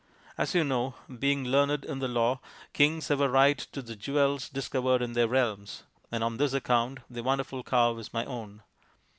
As you know, being learned in the law, kings have a right to the jewels discovered in their realms, and on this account the wonderful cow is my own.